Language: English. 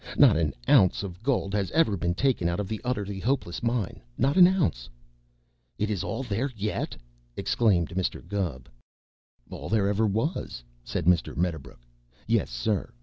Not an ounce of gold has ever been taken out of the Utterly Hopeless Mine. Not an ounce." "It is all there yet!" exclaimed Mr. Gubb. "All there ever was," said Mr. Medderbrook. "Yes, sir!